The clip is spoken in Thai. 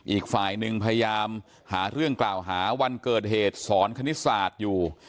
อีกฝ่ายหนึ่งพยายามหาเรื่องกล่าวหาวันเกิดเหตุสอนคณิตศาสตร์อยู่